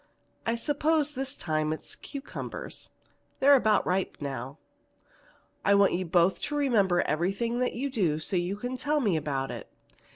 I suppose this time it is cucumbers. They are about ripe now. "I want you both to remember everything you do, so you can tell me about it.